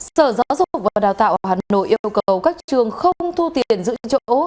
sở giáo dục và đào tạo hà nội yêu cầu các trường không thu tiền giữ chỗ